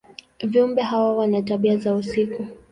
Viumbe hawa wana tabia za usiku.